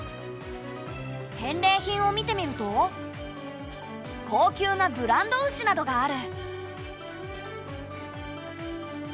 返礼品を見てみると高級なブランド牛などがある。